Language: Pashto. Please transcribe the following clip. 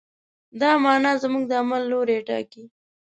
دا معنی زموږ د عمل لوری ټاکي.